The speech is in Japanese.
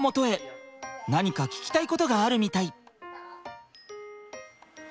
何か聞きたいことがあるみたい。